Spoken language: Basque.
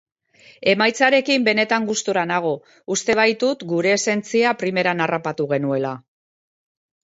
Emaitzarekin benetan gustura nago, uste baitut gure esentzia primeran harrapatu genuela.